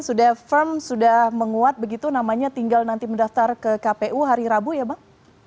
sudah firm sudah menguat begitu namanya tinggal nanti mendaftar ke kpu hari rabu ya bang